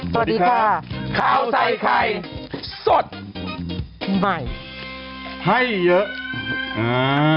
สวัสดีค่ะข้าวใส่ไข่สดใหม่ให้เยอะอ่า